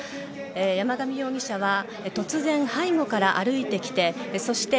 山上容疑者は突然背後から歩いてきてそして